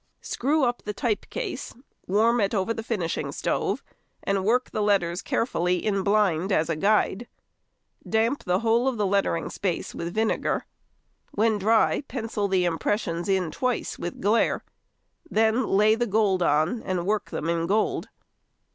Screw up the type case, warm it over the finishing stove, and work the letters carefully in blind as a guide. Damp the whole of the lettering space with vinegar. When dry, pencil the impressions in twice with glaire. Then lay the gold on and work them in gold.